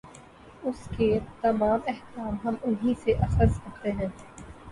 اُس کے تمام احکام ہم اِنھی سے اخذ کرتے ہیں